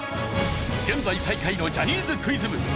現在最下位のジャニーズクイズ部。